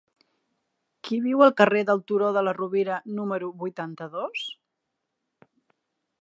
Qui viu al carrer del Turó de la Rovira número vuitanta-dos?